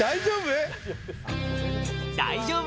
大丈夫？